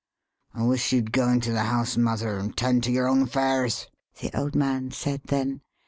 " I wish you'd go into the house, mother, an' 'tend to your own affairs," [the old man said then.